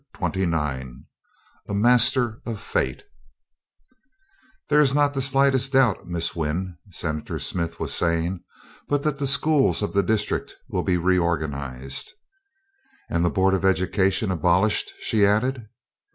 Twenty nine A MASTER OF FATE "There is not the slightest doubt, Miss Wynn," Senator Smith was saying, "but that the schools of the District will be reorganized." "And the Board of Education abolished?" she added.